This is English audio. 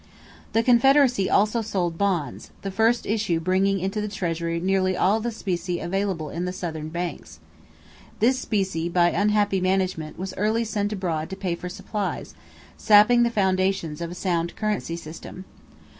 The Confederacy also sold bonds, the first issue bringing into the treasury nearly all the specie available in the Southern banks. This specie by unhappy management was early sent abroad to pay for supplies, sapping the foundations of a sound currency system.